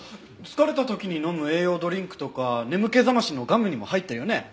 疲れた時に飲む栄養ドリンクとか眠気覚ましのガムにも入ってるよね。